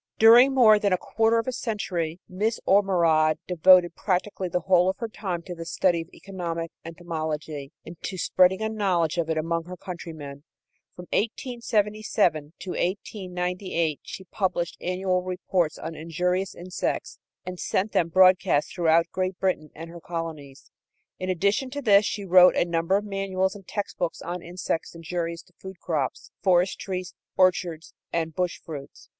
During more than a quarter of a century Miss Ormerod devoted practically the whole of her time to the study of economic entomology and to spreading a knowledge of it among her countrymen. From 1877 to 1898 she published annual reports on injurious insects and sent them broadcast throughout Great Britain and her colonies. In addition to this she wrote a number of manuals and textbooks on insects injurious to food crops, forest trees, orchards and bush fruits.